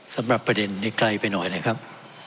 สำหรับประเด็นนี้ไกลไปหน่อยนะครับ